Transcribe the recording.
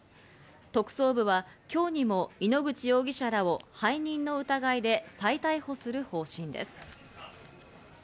特捜部は今日にも井ノ口容疑者らを背任の疑いで再逮捕する方針です。